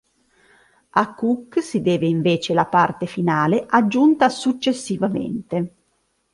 A Cooke si deve invece la parte finale, aggiunta successivamente.